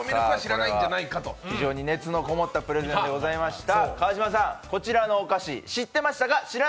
非常に熱のこもったプレゼンでございました。